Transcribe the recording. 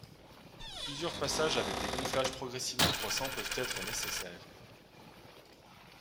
Plusieurs passages avec des gonflages progressivement croissants peuvent être nécessaires.